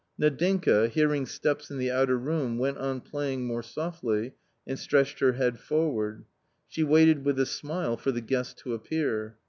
Nadinka, hearing steps in the outer room, went on playing more softly and stretched her head forward. She waited with a smile for the guest to appear.